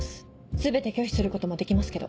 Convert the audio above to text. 全て拒否することもできますけど。